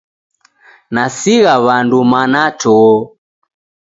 Nasigha w'andu mana to!